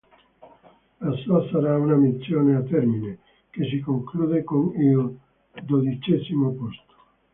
La sua sarà una missione a termine, che si conclude con il dodicesimo posto.